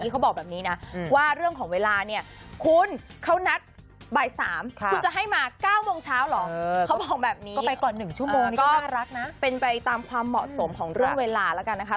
ความเหมาะสมของเรื่องเวลาแล้วกันนะคะ